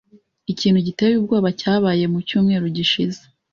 Ikintu giteye ubwoba cyabaye mu cyumweru gishize.